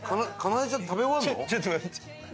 ちょっと待って。